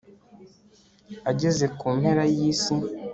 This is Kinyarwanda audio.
ageze ku mpera y'isi